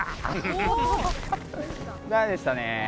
ダメでしたね。